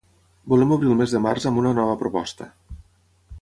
Volem obrir el mes de març amb una nova proposta.